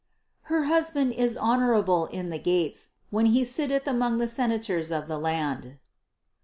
794. "Her husband is honorable in the gates, when he sitteth among the senators of the land."